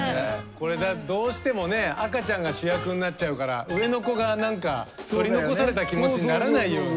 これどうしてもね赤ちゃんが主役になっちゃうから上の子がなんか取り残された気持ちにならないように。